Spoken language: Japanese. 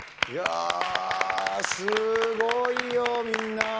いやー、すごいよ、みんな。